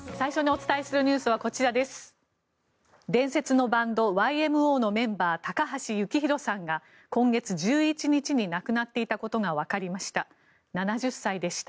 伝説のバンド、ＹＭＯのメンバー高橋幸宏さんが今月１１日に亡くなっていたことがわかりました。